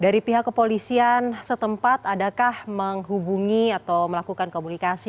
dari pihak kepolisian setempat adakah menghubungi atau melakukan komunikasi